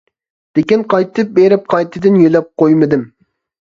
لېكىن، قايتىپ بېرىپ قايتىدىن يۆلەپ قويمىدىم.